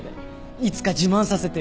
いつか自慢させてよ。